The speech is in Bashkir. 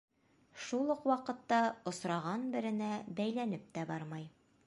Шул уҡ ваҡытта осраған беренә бәйләнеп тә бармай.